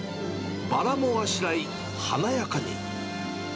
バラもあしらい、華やかに。